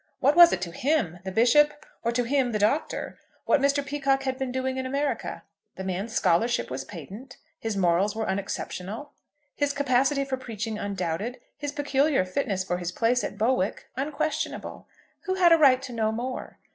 What was it to him, the Bishop, or to him, the Doctor, what Mr. Peacocke had been doing in America? The man's scholarship was patent, his morals were unexceptional, his capacity for preaching undoubted, his peculiar fitness for his place at Bowick unquestionable. Who had a right to know more?